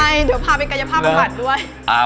เดี๋ยวพาไปกายภาพประวัติด้วย